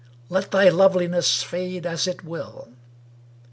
Let thy loveliness fade as it will.